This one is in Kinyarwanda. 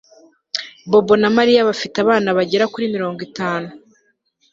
Bobo na Mariya bafite abana bagera kuri mirongo itanu